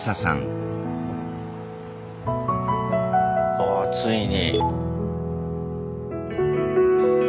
ああついに。